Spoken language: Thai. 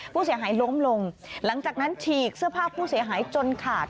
ผู้เสียหายล้มลงหลังจากนั้นฉีกเสื้อผ้าผู้เสียหายจนขาด